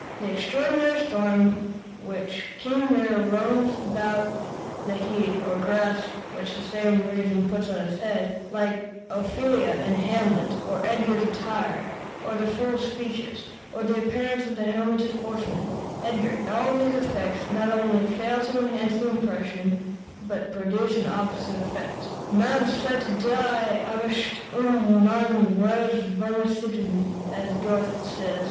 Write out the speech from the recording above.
The extraordinary storm during which King Lear roams about the heath, or the grass which for some reason he puts on his head like Ophelia in "Hamlet" or Edgar's attire, or the fool's speeches, or the appearance of the helmeted horseman, Edgar all these effects not only fail to enhance the impression, but produce an opposite effect. "Man sieht die Absicht und man wird verstimmt," as Goethe says.